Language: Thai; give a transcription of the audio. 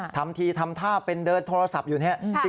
ทำทีทำท่าเป็นเดินโทรศัพท์อยู่เนี่ย